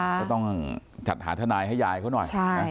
ก็ต้องจัดหาทนายให้ยายเขาหน่อย